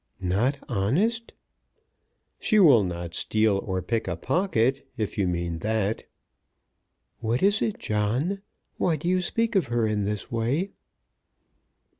"Not honest?" "She will not steal or pick a pocket, if you mean that." "What is it, John? Why do you speak of her in this way?"